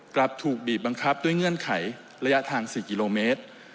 กลับถูกบีบบังคับด้วยเงื่อนไขระยะทาง๔กิโลเมตร